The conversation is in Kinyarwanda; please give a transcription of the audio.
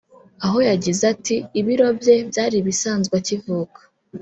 aho yagize ati “ Ibiro bye byari ibisanzwe akivuka